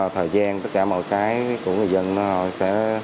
thời gian tất cả mọi cái của người dân họ sẽ